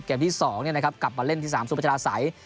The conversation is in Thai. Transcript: เกมที่๒กลับมาเล่นที่๓สู้ประจาศัย